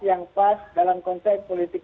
yang pas dalam konteks politik